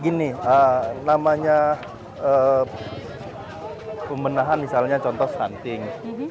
gini namanya pemenahan misalnya contoh stunting